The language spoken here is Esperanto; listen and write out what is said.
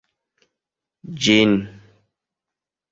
ĝin